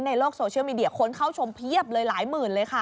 ในโลกโซเชียลมีเดียคนเข้าชมเพียบเลยหลายหมื่นเลยค่ะ